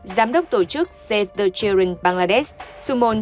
giám đốc tổ chức save the children bangladesh sumon